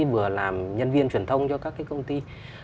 vừa làm nhân viên truyền thông cho các cái công ty